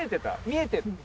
見えてるの？